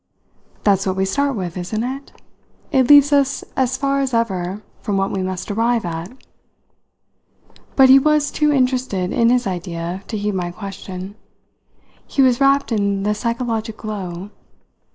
"That's what we start with, isn't it? It leaves us as far as ever from what we must arrive at." But he was too interested in his idea to heed my question. He was wrapped in the "psychologic" glow.